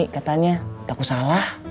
katanya takut salah